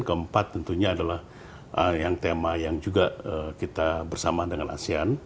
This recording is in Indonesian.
keempat tentunya adalah yang tema yang juga kita bersama dengan asean